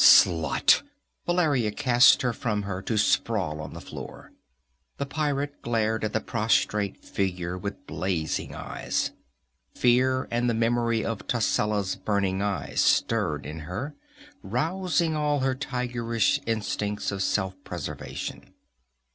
"Slut!" Valeria cast her from her to sprawl on the floor. The pirate glared at the prostrate figure with blazing eyes. Fear and the memory of Tascela's burning eyes stirred in her, rousing all her tigerish instincts of self preservation.